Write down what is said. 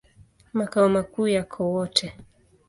Makao makuu yako Wote.